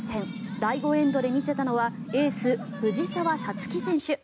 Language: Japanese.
第５エンドで見せたのはエース、藤澤五月選手。